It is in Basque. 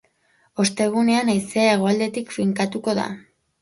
Ostegunean haizea hegoaldetik finkatuko da.